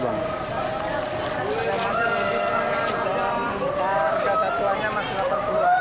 sebelum misalnya harga satuannya masih delapan puluh